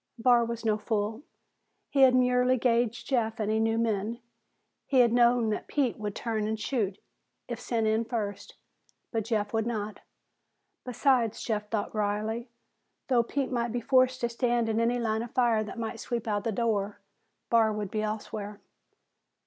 Barr was no fool. He had merely gauged Jeff and he knew men. He had known that Pete would turn and shoot if sent in first, but Jeff would not. Besides, Jeff thought wryly, though Pete might be forced to stand in any line of fire that might sweep out the door, Barr would be elsewhere.